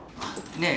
☎ねえ。